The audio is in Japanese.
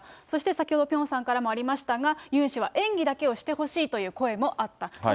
そして先ほどピョンさんからもありましたが、ユン氏は演技だけをしてほしいという声もあったと。